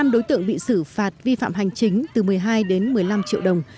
năm đối tượng bị xử phạt vi phạm hành chính từ một mươi hai đến một mươi năm triệu đồng